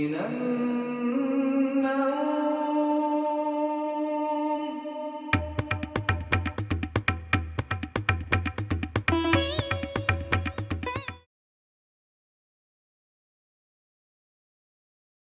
gak tahu kok